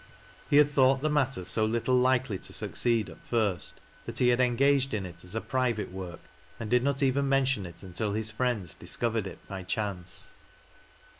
He had thought the matter so little likely to succeed at first, that he had en gaged in it as a private work, and did not even mention il until his friends discovered it by chance.